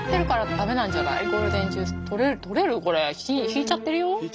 ひいちゃってるよ？